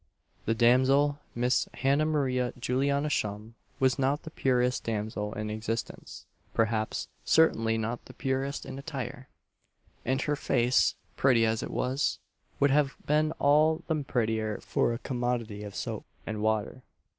The damsel Miss Hannah Maria Juliana Shum, was not the purest damsel in existence perhaps certainly not the purest in attire; and her face, pretty as it was, would have been all the prettier for a commodity of soap and water.